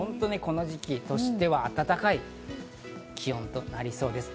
この時期としては暖かい気温となりそうです。